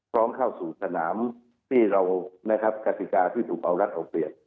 พร้อมเข้าสู่สนามที่เราคศิกาที่ถูกเอารักออกเปลี่ยน